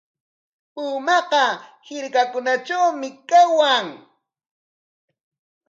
Pumaqa hirkakunatrawmi kawan.